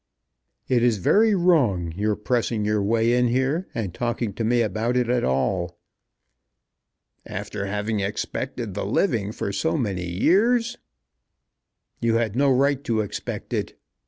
"It is very wrong, your pressing your way in here and talking to me about it at all." "After having expected the living for so many years!" "You had no right to expect it.